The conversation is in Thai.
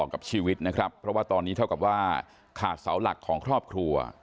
กับชีวิตนะครับเพราะว่าตอนนี้เท่ากับว่าขาดเสาหลักของครอบครัว